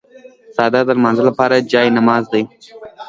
څادر د لمانځه لپاره جای نماز دی.